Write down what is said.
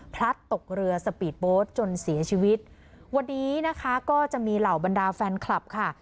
พลัดตกเรือสปีดโบสต์จนเสียชีวิตวันนี้นะคะก็จะมีเหล่าบรรดาแฟนคลับค่ะ